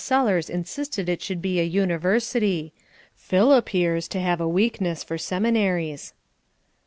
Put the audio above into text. Sellers insisted it should be a University. Phil appears to have a weakness for Seminaries."